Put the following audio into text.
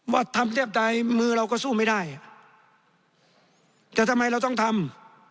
ว่าทำแทบใดมือเราก็สู้ไม่ได้แต่ทำไมเราต้องทำ